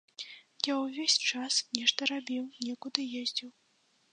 Я ўвесь час нешта рабіў, некуды ездзіў.